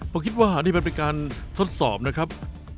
ผมคิดว่าอันนี้มันเป็นการทดสอบนะครับ